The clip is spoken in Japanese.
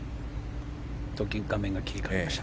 画面が切り替わりました。